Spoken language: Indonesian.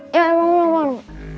ya bangun ya bangun